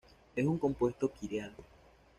Es un compuesto quiral.